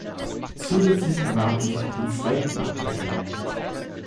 Zusätzlich erwarb diese auch den zweiten «Appenzeller».